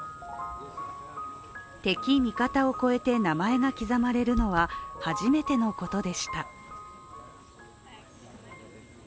敵味方を超えて名前が刻まれるのは初めてのことでした。